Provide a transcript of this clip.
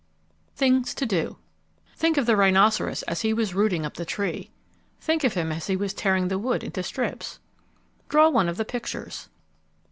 THINGS TO DO Think of the rhinoceros as he was rooting up the tree. Think of him as he was tearing the wood into strips. _Draw one of the pictures.